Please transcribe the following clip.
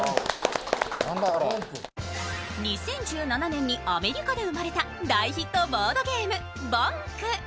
２０１７年にアメリカで生まれた大ヒットボードゲーム・「ＢＯＮＫ」。